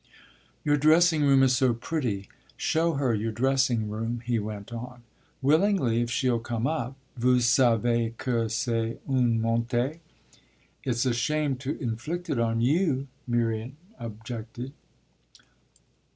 "Your dressing room is so pretty show her your dressing room," he went on. "Willingly, if she'll come up. Vous savez que c'est une montée." "It's a shame to inflict it on you," Miriam objected.